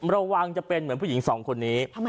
ระวังจะเป็นเหมือนผู้หญิงสองคนนี้